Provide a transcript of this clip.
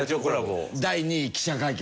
第２位記者会見。